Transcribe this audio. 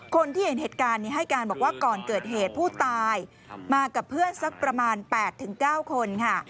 คนที่เห็นเหตุการณ์ให้การบอกว่าก่อนเกิดเหตุผู้ตายมากับเพื่อนสักประมาณ๘๙คนค่ะ